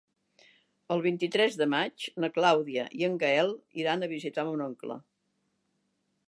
El vint-i-tres de maig na Clàudia i en Gaël iran a visitar mon oncle.